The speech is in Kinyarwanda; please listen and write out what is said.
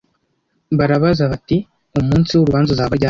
barabaza bati ‘Umunsi w’Urubanza uzaba ryari